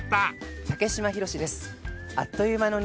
竹島宏です。